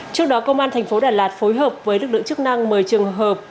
trước đó công an thành phố đà lạt phối hợp với lực lượng chức năng mời trường hợp